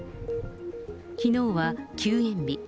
きのうは休演日。